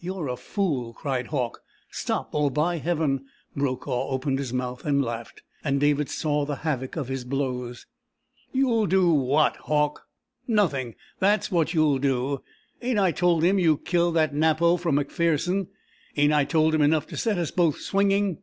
"You're a fool!" cried Hauck. "Stop, or by Heaven!..." Brokaw opened his mouth and laughed, and David saw the havoc of his blows. "You'll do what, Hauck? Nothing that's what you'll do! Ain't I told him you killed that napo from MacPherson? Ain't I told him enough to set us both swinging?"